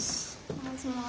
お願いします。